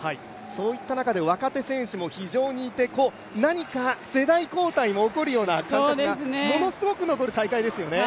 そういった中、若手選手もいて、なにか世代交代も起きるような感覚がものすごく起こる大会ですよね。